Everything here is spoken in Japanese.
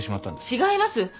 違います！